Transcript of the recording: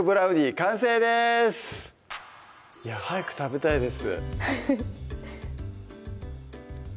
完成です早く食べたいです